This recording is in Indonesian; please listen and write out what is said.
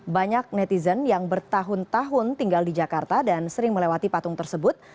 banyak netizen yang bertahun tahun tinggal di jakarta dan sering melewati patung tersebut